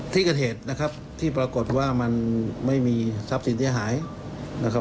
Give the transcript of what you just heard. ที่กระเทศนะครับที่ปรากฏว่ามันไม่มีซับสิทธิหายนะครับ